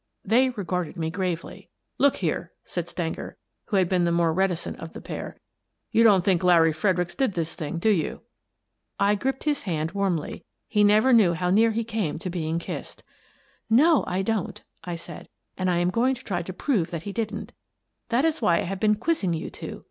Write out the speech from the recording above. They regarded me gravely. " Look here," said Stenger, who had been the more reticent of the pair. " You don't think Larry Fredericks did this thing, do you ?" I gripped his hand warmly — he never knew how near he came to being kissed. " No, I don't," I said, " and I am going to try to prove that he didn't. That is why I have been quizzing you two.